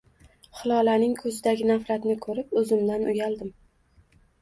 Hilolaning ko`zidagi nafratni ko`rib, o`zimdan uyaldim